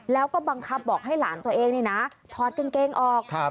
แล้วก็บังคับบอกให้หลานตัวเองนี่นะถอดกางเกงออก